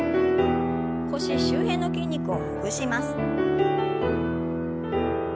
腰周辺の筋肉をほぐします。